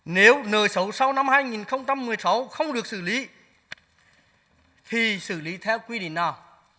nếu nợ xấu sau năm hai nghìn một mươi sáu không được xử lý thì xử lý theo quy định nào